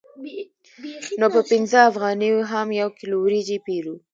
نو په پنځه افغانیو هم یو کیلو وریجې پېرو